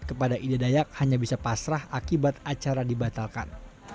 kepada ida dayak hanya bisa pasrah akibat acara dibatalkan